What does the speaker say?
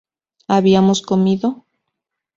¿habíamos comido?